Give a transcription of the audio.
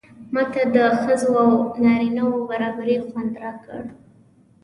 ماته د ښځو او نارینه و برابري خوند راکړ.